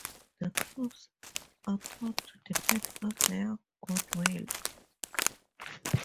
The crops are thought to depend on their good will.